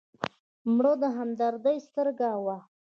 مړه د همدردۍ سترګه وه